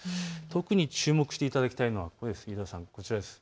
特に注目していただきたいのはこちらです。